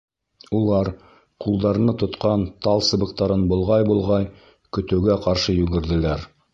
Улар, ҡулдарына тотҡан талсыбыҡтарын болғай-болғай, көтөүгә ҡаршы йүгерҙеләр.